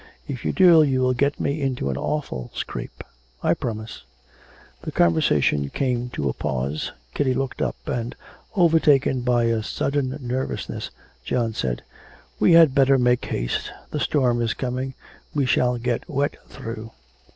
If you do, you will get me into an awful scrape.' 'I promise.' The conversation came to a pause. Kitty looked up; and, overtaken by a sudden nervousness, John said 'We had better make haste; the storm is coming on; we shall get wet through.'